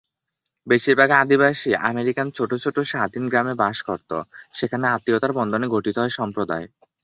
বেশির ভাগ আদিবাসী আমেরিকান ছোট ছোট স্বাধীন গ্রামে বাস করত, যেখানে আত্মীয়তার বন্ধনে গঠিত হত সম্প্রদায়।